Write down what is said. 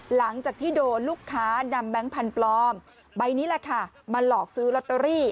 หลังจากที่โดนลูกค้านำแบงค์พันธุ์ปลอมใบนี้แหละค่ะมาหลอกซื้อลอตเตอรี่